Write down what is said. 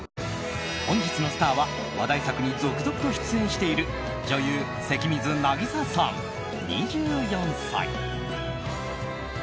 本日のスターは話題作に続々と出演している女優・関水渚さん、２４歳。